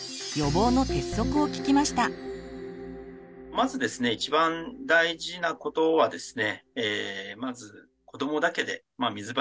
まずですね一番大事なことはですね